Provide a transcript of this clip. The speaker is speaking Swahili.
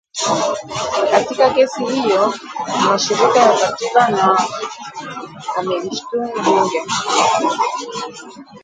Katika kesi hiyo mashirika ya katiba na amelishutumu bunge